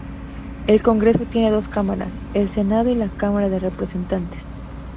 El Congreso tiene dos cámaras: el Senado y la Cámara de Representantes.